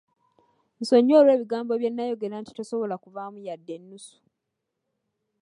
Nsonyiwa olw'ebigambo bye nnayogera nti tosobola kuvaamu yadde ennusu.